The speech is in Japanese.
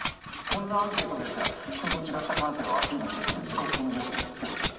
こんなアンケートですらひとと違った感性をアピールして来る自己顕示欲の強さ。